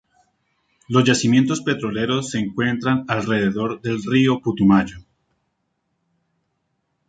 Los yacimientos petroleros se encuentran alrededor del río Putumayo.